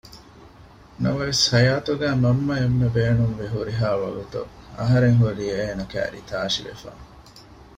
ނަމަވެސް ހަޔާތުގައި މަންމަ އެންމެ ބޭނުންވި ހުރިހާ ވަގުތު އަހަރެން ހުރީ އޭނަ ކައިރީ ތާށިވެފަ